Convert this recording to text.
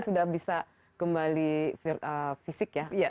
sudah bisa kembali fisik ya